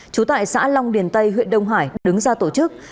trú tại xã long điền tây huyện đông hải đứng ra tổ chức